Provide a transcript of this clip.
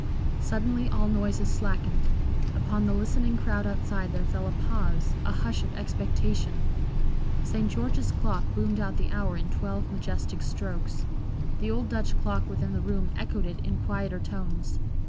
Suddenly all noises slackened; upon the listening crowd outside there fell a pause, a hush of expectation. St. George's clock boomed out the hour in twelve majestic strokes. The old Dutch clock within the room echoed it in quieter tones.